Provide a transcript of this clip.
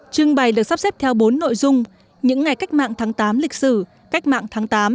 trưng bày được sắp xếp theo bốn nội dung những ngày cách mạng tháng tám lịch sử cách mạng tháng tám